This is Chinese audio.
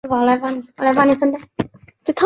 这些微粒对太空风化过程起到了主要作用。